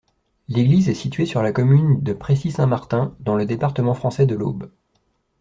L'église est située sur la commune de Précy-Saint-Martin, dans le département français de l'Aube.